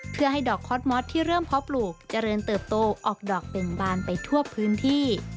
เพื่อให้ดอกคอสมอสที่เริ่มเพาะปลูกเจริญเติบโตออกดอกเบ่งบานไปทั่วพื้นที่